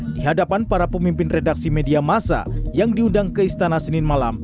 di hadapan para pemimpin redaksi media masa yang diundang ke istana senin malam